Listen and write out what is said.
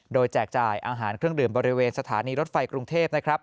โดยแจกจ่ายอาหารเครื่องดื่มบริเวณสถานีรถไฟกรุงเทพนะครับ